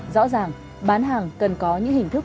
rõ ràng bán hàng cần có những hình thức